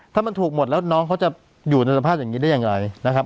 ถ้ามันถูกหมดแล้วน้องเขาจะอยู่ในสภาพอย่างนี้ได้อย่างไรนะครับ